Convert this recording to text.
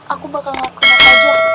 aku bakal ngapain aja